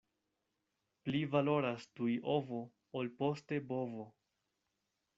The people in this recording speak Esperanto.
Pli valoras tuj ovo, ol poste bovo.